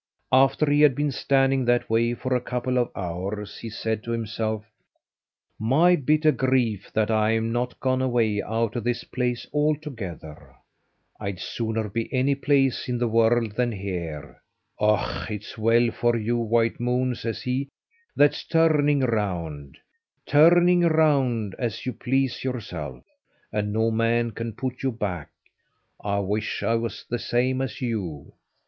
After he had been standing that way for a couple of hours, he said to himself: "My bitter grief that I am not gone away out of this place altogether. I'd sooner be any place in the world than here. Och, it's well for you, white moon," says he, "that's turning round, turning round, as you please yourself, and no man can put you back. I wish I was the same as you."